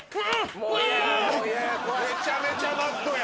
めちゃめちゃマッドや。